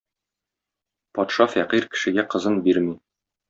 Патша фәкыйрь кешегә кызын бирми.